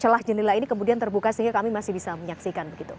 celah jendela ini kemudian terbuka sehingga kami masih bisa menyaksikan begitu